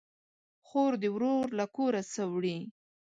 خور ده ورور له کوره سه وړي